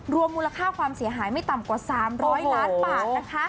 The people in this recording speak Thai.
รวมมูลค่าความเสียหายไม่ต่ำกว่า๓๐๐ล้านบาทนะคะ